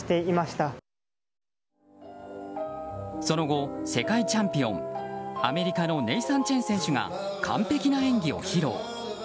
その後、世界チャンピオンアメリカのネイサン・チェン選手が完璧な演技を披露。